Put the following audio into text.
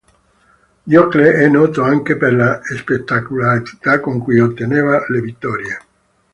Diocle è noto anche per la spettacolarità con cui otteneva le vittorie.